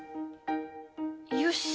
よし！